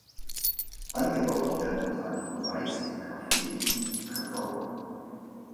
Angebaut werden unter anderem Reis, Kaffee und Kakao.